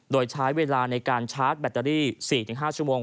โดยใช้เวลาในการชาร์จแบตเตอรี่๔๕ชั่วโมง